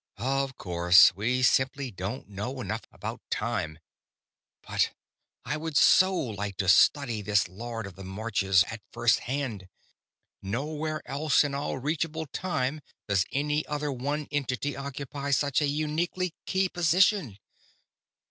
"_ _"Of course. We simply don't know enough about time ... but I would so like to study this Lord of the Marches at first hand! Nowhere else in all reachable time does any other one entity occupy such a uniquely key position!"